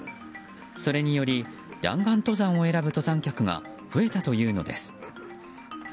それにより弾丸登山を選ぶ登山客が増えたというのです。